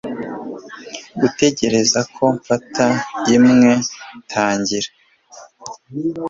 gutegereza ko mfata imwe, tangira